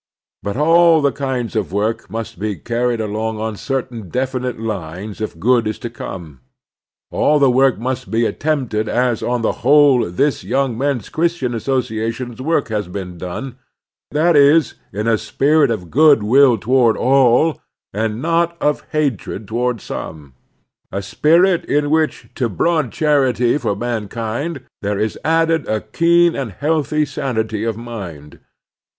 But all the kinds of work must be carried along on cer tain definite lines if good is to come. All the work must be attempted as on the whole this Yotmg Men's Christian Association work has been done, that is, in a spirit of good will toward all and not of hatred toward some; in a spirit in which to broad charity for mankind there is added a keen and healthy sanity of mind.